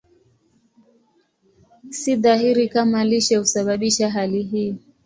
Si dhahiri kama lishe husababisha hali hii.